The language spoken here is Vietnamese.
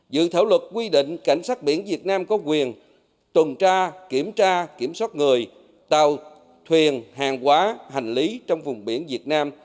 dự thảo luật quy định cảnh sát biển việt nam có quyền tuần tra kiểm tra kiểm soát người tàu thuyền hàng quá hành lý trong vùng biển việt nam